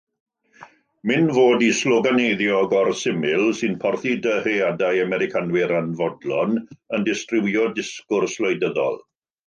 Myn fod eu sloganeiddio gor-syml sy'n porthi dyheadau Americanwyr anfodlon yn distrywio disgẃrs wleidyddol.